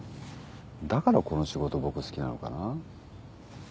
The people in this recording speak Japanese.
だからこの仕事僕好きなのかな。